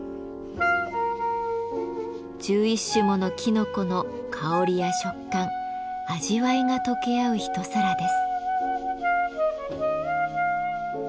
１１種ものきのこの香りや食感味わいが溶け合う一皿です。